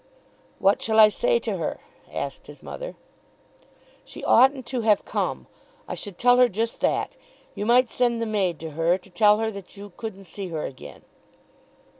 "What shall I say to her?" asked his mother. "She oughtn't to have come. I should tell her just that. You might send the maid to her to tell her that you couldn't see her again."